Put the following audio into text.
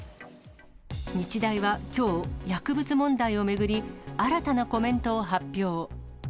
日大はきょう、薬物問題を巡り、新たなコメントを発表。